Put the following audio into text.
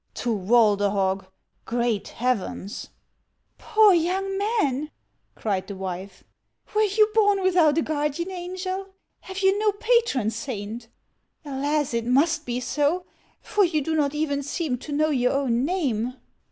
To Walderhog ! Great Heavens !"" Poor young man !" cried the wife ;" were you born without a guardian angel ? Have you no patron saint ? Alas ! it must be so ; for you do not even seem to know your own name."